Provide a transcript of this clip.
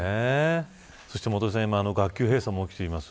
元榮さん、今、学級閉鎖も起きています。